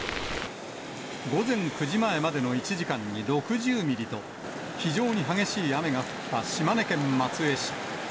午前９時前までの１時間に６０ミリと、非常に激しい雨が降った島根県松江市。